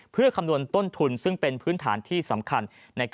เพื่อคำนวณต้นทุนซึ่งเป็นพื้นฐานที่สำคัญ